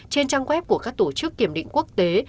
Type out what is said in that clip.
trên trang web của các tổ chức kiểm định quốc tế